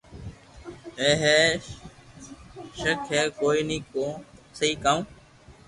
اي مي ݾڪ ھي ڪوئي ني ڪو سھي ڪاو